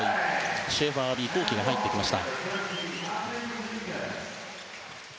シェーファー・アヴィ幸樹が入ってきました。